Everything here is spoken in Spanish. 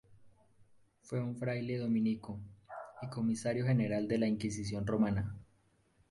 Fue un fraile dominico y comisario general de la Inquisición romana.